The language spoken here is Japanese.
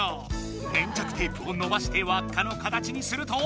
粘着テープをのばしてわっかの形にすると。